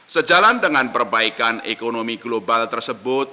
sejalan dengan perbaikan ekonomi global tersebut